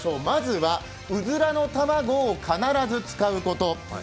まずはうずらの卵を必ず使うこと。